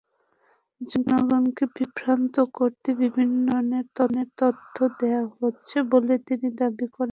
জনগণকে বিভ্রান্ত করতে বিভিন্ন ধরনের তথ্য দেওয়া হচ্ছে বলে তিনি দাবি করেন।